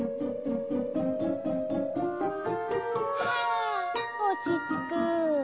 はあおちつく。